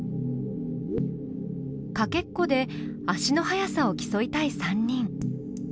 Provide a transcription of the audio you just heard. かけっこで足の速さを競いたい３人。